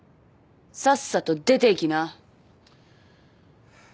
さっさと出ていきな。